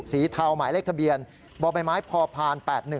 เทาหมายเลขทะเบียนบ่อใบไม้พอพาน๘๑